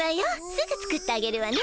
すぐ作ってあげるわね。